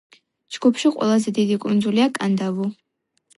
ჯგუფში ყველაზე დიდი კუნძულია კანდავუ.